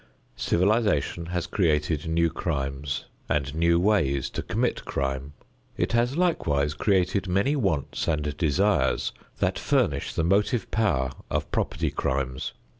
Civilization has created new crimes and new ways to commit crime. It has likewise created many wants and desires that furnish the motive power of property crimes.